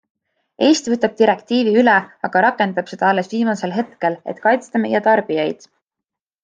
Eesti võtab direktiivi üle, aga rakendab seda alles viimasel hetkel, et kaitsta meie tarbijaid.